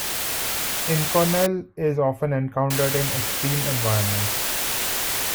Inconel is often encountered in extreme environments.